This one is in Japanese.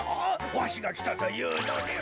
わしがきたというのに。